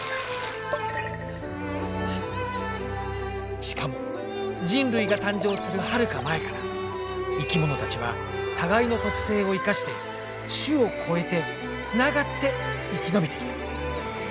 しかも人類が誕生するはるか前から生き物たちは互いの特性を生かして種を超えてつながって生きのびてきた。